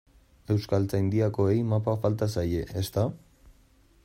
Euskaltzaindiakoei mapa falta zaie, ezta?